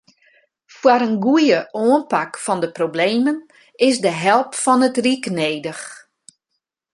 Foar in goeie oanpak fan de problemen is de help fan it ryk nedich.